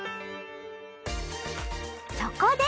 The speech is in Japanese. そこで！